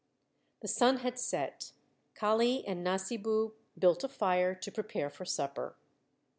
The sun had set. Kali and Nasibu built a fire to prepare for supper.